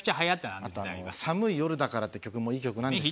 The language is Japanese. あと『寒い夜だから』って曲もいい曲なんですよ。